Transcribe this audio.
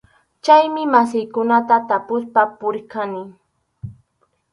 Chaymi masiykunata tapuspa puriq kani.